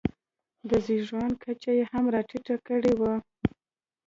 د زېږون کچه یې هم راټیټه کړې وي.